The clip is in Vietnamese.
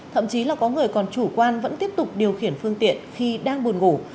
thậm chí là có người còn chủ quan vẫn tiếp tục điều khiển phương tiện khi đang buồn ngủ